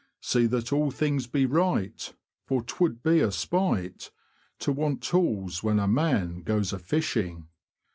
See that all things be right. For 'twould be a spite To want tools when a man goes a fishing.